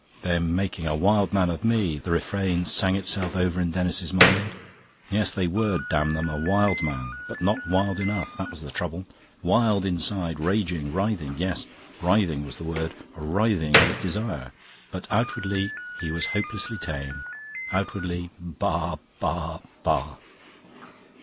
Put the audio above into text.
"They're making a wild man of me." The refrain sang itself over in Denis's mind. Yes, they were; damn them! A wild man, but not wild enough; that was the trouble. Wild inside; raging, writhing yes, "writhing" was the word, writhing with desire. But outwardly he was hopelessly tame; outwardly baa, baa, baa.